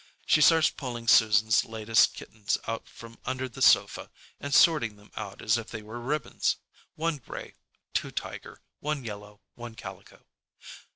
She starts pulling Susan's latest kittens out from under the sofa and sorting them out as if they were ribbons: one gray, two tiger, one yellow, one calico.